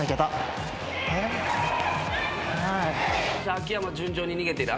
秋山順調に逃げている。